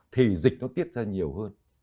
thì dịch nó tiết ra nhiều hơn